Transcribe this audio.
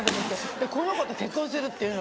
でこの子と結婚するって言うの。